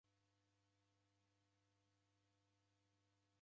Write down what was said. Chakule radakundika ridumbulo.